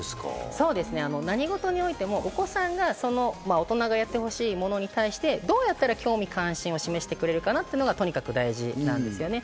そうですね、何事においてもお子さんが大人がやってほしいものに対して、どうやったら興味、関心を示してくれるかなっていうのがとにかく大事なんですよね。